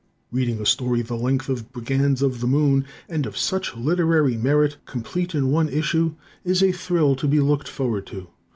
Reading a story the length of "Brigands of the Moon" and of such literary merit, complete in one issue, is a thrill to be looked forward to.